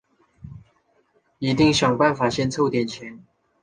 一定想办法先凑点钱